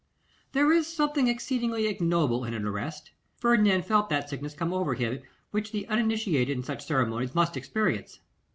There is something exceedingly ignoble in an arrest: Ferdinand felt that sickness come over him which the uninitiated in such ceremonies must experience.